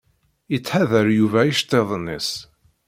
Yettḥadar Yuba iceṭṭiḍen-is.